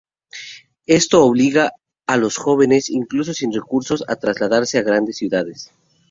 Esto obliga a los jóvenes, incluso sin recursos, a trasladarse a estas grandes ciudades.